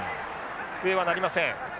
笛は鳴りません。